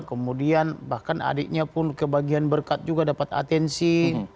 kemudian bahkan adiknya pun kebagian berkat juga dapat atensi